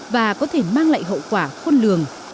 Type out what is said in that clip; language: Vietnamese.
và có thể mang lại hậu quả khôn lường